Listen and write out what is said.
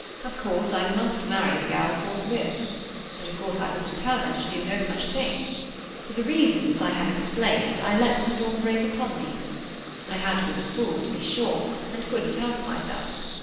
Of course I must marry the girl forthwith. But of course I was determined to do no such thing. For the reasons I have explained, I let the storm break upon me. I had been a fool, to be sure, and couldn't help myself.